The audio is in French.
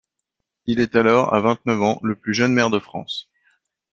Il est alors, à vingt-neuf ans, le plus jeune maire de France.